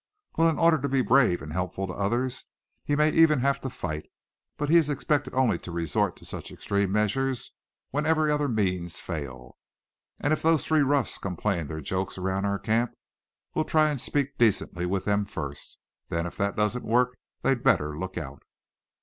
"Well, in order to be brave, and helpful to others, he may even have to fight; but he is expected only to resort to such extreme measures when every other means fail. And if those three roughs come playing their jokes around our camp we'll try and speak decently with them first. Then, if that doesn't work, they'd better look out."